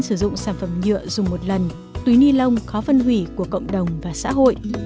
sử dụng sản phẩm nhựa dùng một lần túi ni lông khó phân hủy của cộng đồng và xã hội